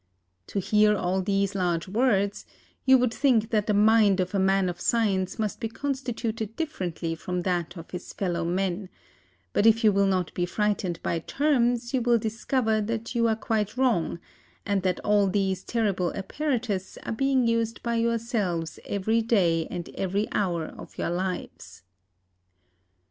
To hear all these large words, you would think that the mind of a man of science must be constituted differently from that of his fellow men; but if you will not be frightened by terms, you will discover that you are quite wrong, and that all these terrible apparatus are being used by yourselves every day and every hour of your lives.